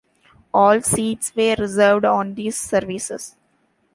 All seats were reserved on these services.